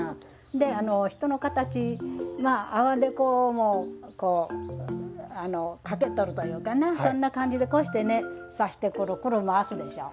で人の形阿波木偶も掛けとるというかなそんな感じでこうしてね刺してクルクル回すでしょう。